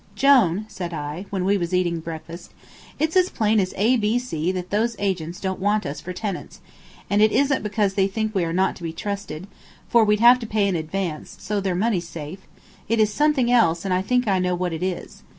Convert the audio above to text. "Jone," said I, when we was eating breakfast, "it's as plain as A B C that those agents don't want us for tenants, and it isn't because they think we are not to be trusted, for we'd have to pay in advance, and so their money's safe; it is something else, and I think I know what it is.